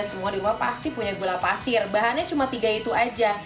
semua di bawah pasti punya gula pasir bahannya cuma tiga itu aja